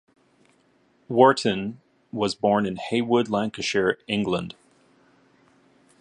Wharton was born in Heywood, Lancashire, England.